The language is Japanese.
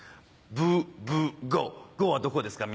ブブ呉呉はどこですか？